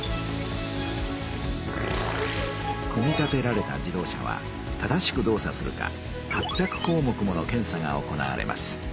組み立てられた自動車は正しく動作するか８００項目もの検査が行われます。